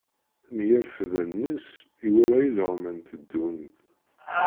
Mi yerfed allen-is, iwala ileɣman teddun-d.